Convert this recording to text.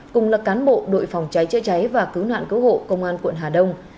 cùng là cán bộ đội phòng cháy chữa cháy và cứu nạn cứu hộ công an quận hà đông